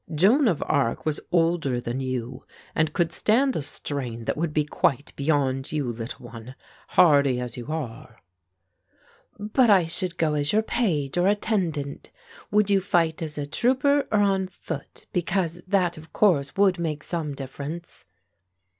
"Joan of Arc was older than you and could stand a strain that would be quite beyond you, little one, hardy as you are." "But I should go as your page or attendant. Would you fight as a trooper or on foot, because that, of course, would make some difference?"